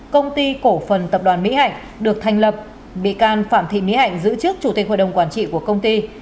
công ty cổ phần tập đoàn mỹ hạnh được thành lập bị can phạm thị mỹ hạnh giữ trước chủ tịch hội đồng quản trị của công ty